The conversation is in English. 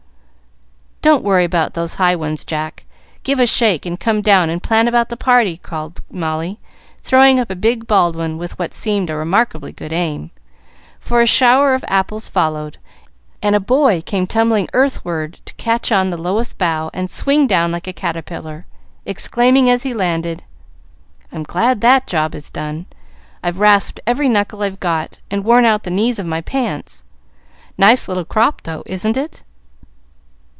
"Don't worry about those high ones, Jack. Give a shake and come down and plan about the party," called Molly, throwing up a big Baldwin with what seemed a remarkably good aim, for a shower of apples followed, and a boy came tumbling earthward to catch on the lowest bough and swing down like a caterpillar, exclaiming, as he landed, "I'm glad that job is done! I've rasped every knuckle I've got and worn out the knees of my pants. Nice little crop though, isn't it?"